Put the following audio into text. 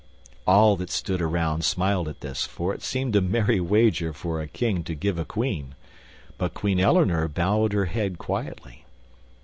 All that stood around smiled at this, for it seemed a merry wager for a king to give to a queen; but Queen Eleanor bowed her head quietly.